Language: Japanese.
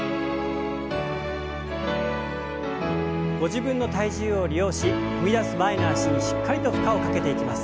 ご自分の体重を利用し踏み出す前の脚にしっかりと負荷をかけていきます。